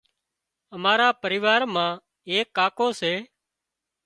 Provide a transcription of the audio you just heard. امارا پريوار مان ايڪ ڪاڪو سي